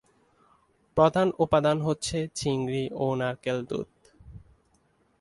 প্রধান উপাদান হচ্ছে চিংড়ি ও নারকেল দুধ।